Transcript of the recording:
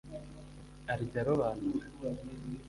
arya arobanura